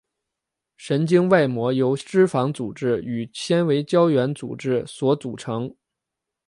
神经外膜由脂肪组织与纤维胶原组织所组成。